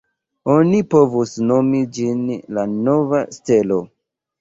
Oni povus nomi ĝin la “Nova Stelo”.